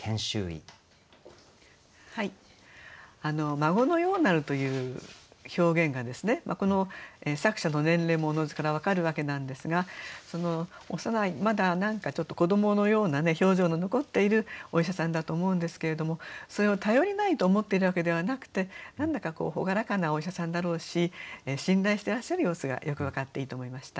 「孫のやうなる」という表現がこの作者の年齢もおのずから分かるわけなんですが幼いまだ何かちょっと子どものような表情の残っているお医者さんだと思うんですけれどもそれを頼りないと思っているわけではなくて何だか朗らかなお医者さんだろうし信頼してらっしゃる様子がよく分かっていいと思いました。